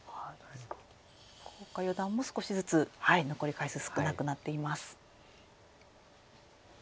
福岡四段も少しずつ残り回数少なくなっています。